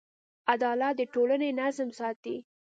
عدالت د ټولنې نظم ساتي.